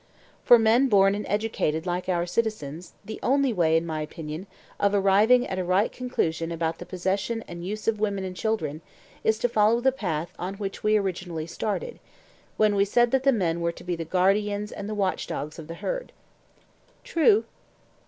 For men born and educated like our citizens, the only way, in my opinion, of arriving at a right conclusion about the possession and use of women and children is to follow the path on which we originally started, when we said that the men were to be the guardians and watchdogs of the herd. True.